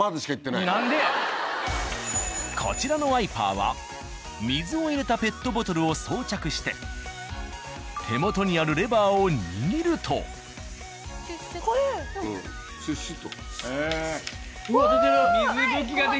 こちらのワイパーは水を入れたペットボトルを装着して手元にあるシュッシュ。